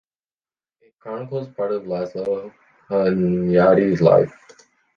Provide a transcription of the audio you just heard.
It chronicles part of László Hunyadi’s life.